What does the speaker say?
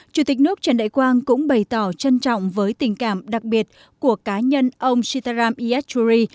chủ tịch nước trần đại quang cũng bày tỏ trân trọng với tình cảm đặc biệt của cá nhân ông sitaram iyaturi